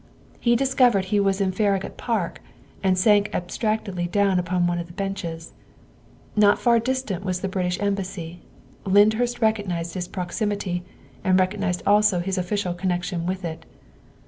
He discovered he was in Farragut Park and sank ab stractedly down upon one of the benches. Not far distant was the British Embassy; Lyndhurst recognized its proximity and recognized also his official connection with it.